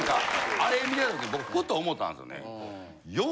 あれ見てた時僕ふと思ったんですよね。